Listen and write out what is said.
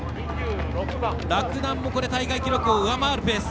洛南も大会記録を上回るペース。